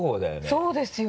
そうですよ。